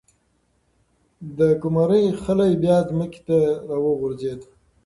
د قمرۍ خلی بیا ځمکې ته راوغورځېد.